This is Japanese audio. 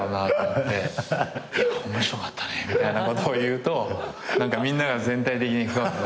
面白かったねみたいなことを言うとみんなが全体的にふわふわ。